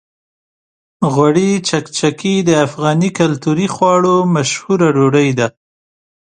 غوړي چکچکي د افغاني کلتوري خواړو مشهوره ډوډۍ ده.